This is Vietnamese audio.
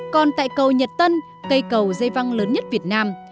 còn tại cầu nhật tân cây cầu dây văng lớn nhất việt nam